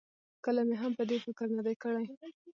کله مې هم په دې فکر نه دی کړی.